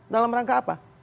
dalam rangka apa